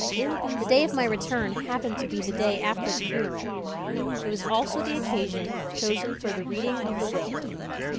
The day of my return happened to be the day after the funeral. It was also the occasion chosen for the reading of the will.